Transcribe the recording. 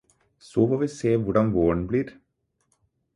Så får vi se hvordan våren blir.